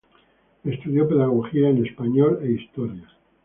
Estudió pedagogía en Español e Historia.